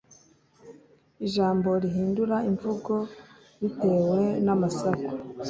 ijambo rihindura imvugo bitwew n'amasaku,